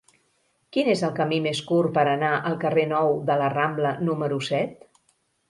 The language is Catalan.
Quin és el camí més curt per anar al carrer Nou de la Rambla número set?